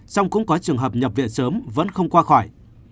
song cũng có trường hợp nhập viện sớm vẫn không qua khỏi